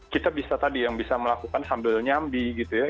kita bisa tadi yang bisa melakukan sambil nyambi gitu ya